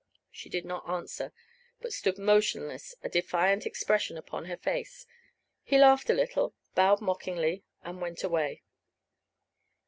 She did not answer, but stood motionless, a defiant expression upon her face. He laughed a little, bowed mockingly, and went away.